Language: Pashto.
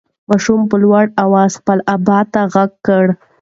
ماشوم په لوړ اواز خپل ابا ته غږ کړ.